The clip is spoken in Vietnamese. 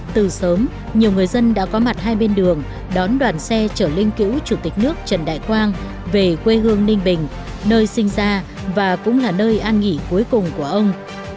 từ sớm nhiều người dân đã có mặt hai bên đường đón đoàn xe chở linh cựu chủ tịch nước trần đại quang về quê hương ninh bình nơi sinh ra và cũng là nơi an nghỉ cuối cùng của ông